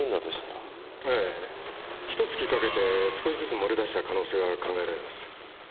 ええひと月かけて少しずつ漏れ出した可能性は考えられます。